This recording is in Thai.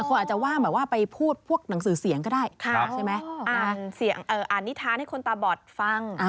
ครับกรุญตาบอดฟัง